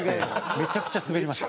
めちゃくちゃスベりました。